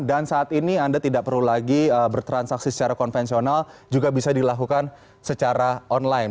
dan saat ini anda tidak perlu lagi bertransaksi secara konvensional juga bisa dilakukan secara online